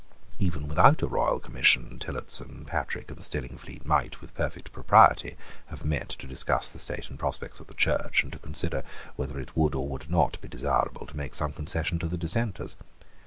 Even without a royal commission Tillotson, Patrick, and Stillingfleet might, with perfect propriety, have met to discuss the state and prospects of the Church, and to consider whether it would or would not be desirable to make some concession to the dissenters.